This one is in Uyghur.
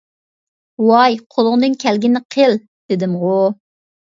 — ۋاي، قولۇڭدىن كەلگىنىنى قىل دېدىمغۇ.